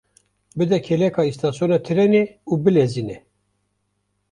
Bide kêleka îstasyona trênê û bilezîne!